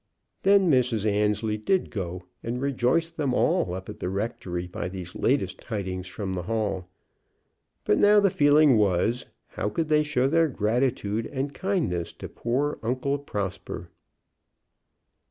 Then Mrs. Annesley did go, and rejoiced them all up at the rectory by these latest tidings from the Hall. But now the feeling was, how could they show their gratitude and kindness to poor Uncle Prosper?